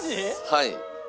はい。